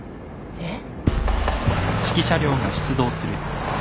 えっ？